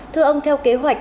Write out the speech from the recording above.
thưa ông theo kế hoạch